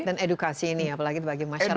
dan edukasi ini apalagi bagi masyarakat